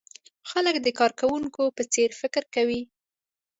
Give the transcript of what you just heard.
خلک د کارکوونکو په څېر فکر کوي.